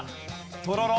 とろろ。